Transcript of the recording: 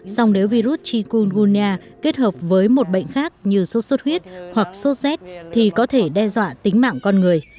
xong nếu virus chikulgunia kết hợp với một bệnh khác như sốt sốt huyết hoặc sốt z thì có thể đe dọa tính mạng con người